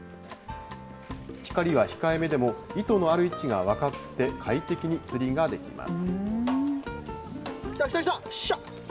光は控えめでも、糸のある位置が分かって、快適に釣りができます。